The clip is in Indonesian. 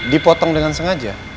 dipotong dengan sengaja